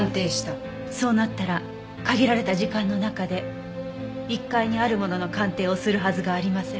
そうなったら限られた時間の中で１階にあるものの鑑定をするはずがありません。